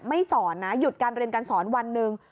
สอนนะหยุดการเรียนการสอนวันหนึ่ง